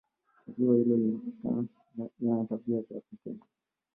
Ziwa hilo lina tabia za pekee.